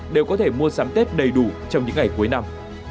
đều có thể mua sắm tết đầy đủ trong những ngày cuối năm